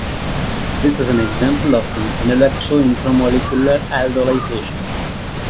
This is an example of an enolexo intramolecular aldolization.